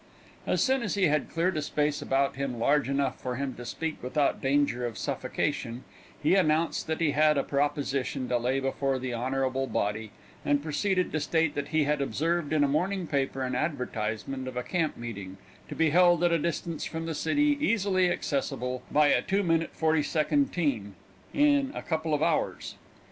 As soon as he had cleared a space about him large enough for him to speak without danger of suffocation, he announced that he had a proposition to lay before the honorable body, and proceeded to state that he had observed in a morning paper an advertisement of a camp meeting, to be held at a distance from the city easily accessible, by a 2'40" team, in a couple of hours.